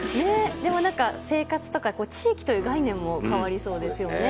生活とか地域という概念も変わりそうですよね。